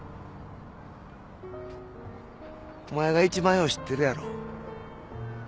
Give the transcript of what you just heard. お前がいちばんよう知ってるやろ？